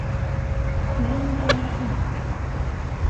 Nej, det gör jag inte.